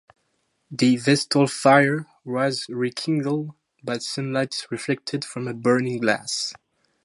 The Vestal fire was rekindled by sunlight reflected from a burning-glass.